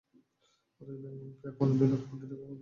অথচ ব্যাংকগুলো প্রায় পৌনে দুই লাখ কোটি টাকা নিয়ে বসে আছে।